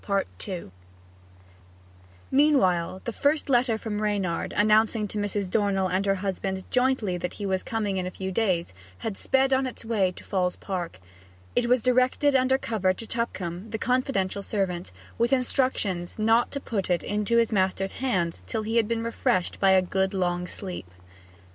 Meanwhile the first letter from Reynard, announcing to Mrs. Dornell and her husband jointly that he was coming in a few days, had sped on its way to Falls Park. It was directed under cover to Tupcombe, the confidential servant, with instructions not to put it into his master's hands till he had been refreshed by a good long sleep.